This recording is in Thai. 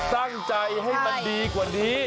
ตั้งใจให้มันดีกว่านี้